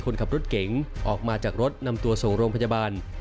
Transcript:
คนขับรถเก๋งออกมาจากรถนำตัวส่งโรงพยาบาล